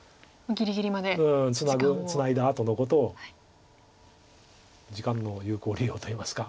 ツナいだあとのことを時間の有効利用といいますか。